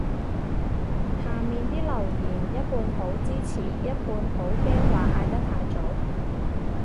下面啲留言一半好支持一半好驚話嗌得太早